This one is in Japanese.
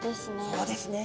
そうですね。